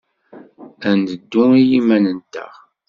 Ad neddu i yiman-nteɣ.